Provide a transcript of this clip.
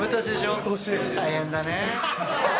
大変だね。